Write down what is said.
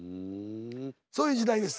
そういう時代です。